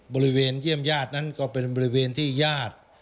บริเวณเยี่ยมญาตินั้นก็เป็นบริเวณที่ญาติ